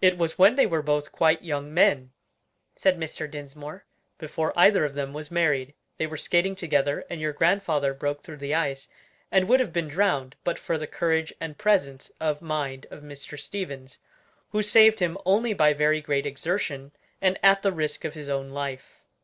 "It was when they were both quite young men," said Mr. Dinsmore, "before either of them was married: they were skating together and your grandfather broke through the ice, and would have been drowned, but for the courage and presence of mind of Mr. Stevens, who saved him only by very great exertion, and at the risk of his own life."